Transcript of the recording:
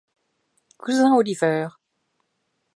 Cousin Oliver!